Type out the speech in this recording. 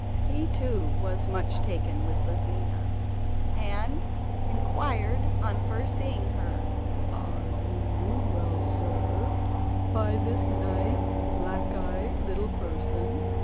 He too was much taken with Lizina, and inquired, on first seeing her: "Are you well served by this nice, black eyed little person?"